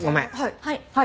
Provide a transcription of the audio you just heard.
はい。